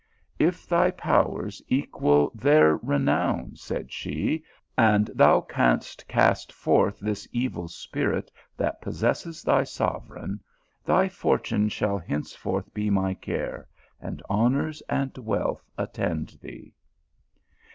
" If thy powers equal their renown," said she, " and thou canst cast forth this evil spirit that possesses thy sovereign, thy for tune shall henceforth be my care, and honours and wealth attend thee."